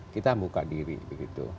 kita membuka diri begitu